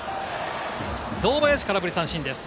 堂林、空振り三振です。